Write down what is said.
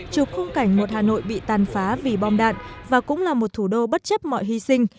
chụp khung cảnh một hà nội bị tàn phá vì bom đạn và cũng là một thủ đô bất chấp mọi hy sinh